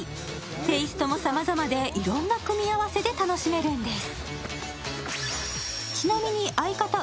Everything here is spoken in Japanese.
テイストもさまざまで、いろんな組み合わせで楽しめるんです。